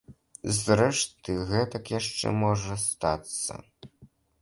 Зрэшты, гэтак яшчэ можа стацца.